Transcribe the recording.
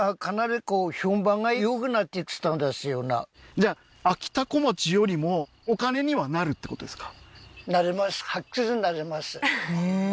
じゃああきたこまちよりもお金にはなるってことですか？